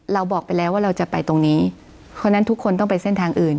เราบอกไปแล้วว่าเราก็จะไปตรงนี้คนนั้นทุกคนต้องไปเส้นทางอื่น